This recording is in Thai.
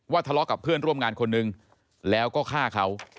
ทะเลาะกับเพื่อนร่วมงานคนนึงแล้วก็ฆ่าเขา